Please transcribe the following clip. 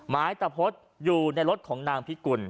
ไม้ตะพดอยู่ในรถของนางพิกุล